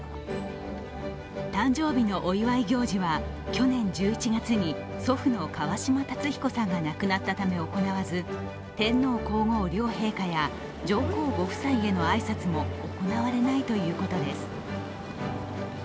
誕生日のお祝い行事は、去年１１月に祖父の川嶋辰彦さんが亡くなったため行わず天皇皇后両陛下や上皇ご夫妻への挨拶も行われないということです。